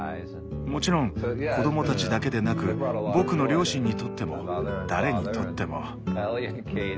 もちろん子供たちだけでなく僕の両親にとっても誰にとっても。